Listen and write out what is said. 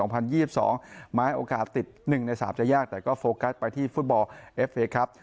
ไม้โอกาสติด๑ใน๓จะยากแต่ก็โฟกัสไปที่ฟุตบอลเอฟเคครับ